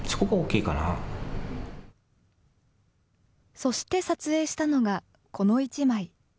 そして撮影したのが、この一枚。